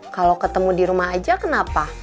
kalau ketemu di rumah aja kenapa